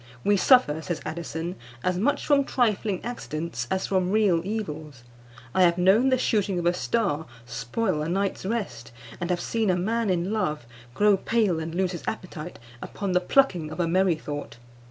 "We suffer," says Addison, "as much from trifling accidents as from real evils. I have known the shooting of a star spoil a night's rest, and have seen a man in love grow pale and lose his appetite upon the plucking of a merrythought.